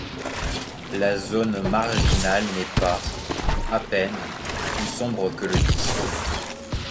La zone marginale n’est pas, ou à peine, plus sombre que le disque.